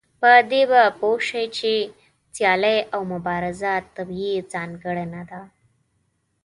په دې به پوه شئ چې سيالي او مبارزه طبيعي ځانګړنه ده.